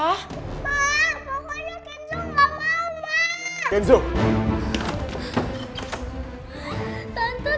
mak pokoknya kenzo nggak mau mak